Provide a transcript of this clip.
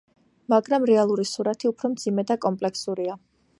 მაგრამ რეალური სურათი უფრო მძიმე და კომპლექსურია.